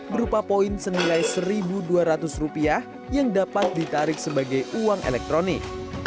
berupa poin senilai rp satu dua ratus yang dapat ditarik sebagai uang elektronik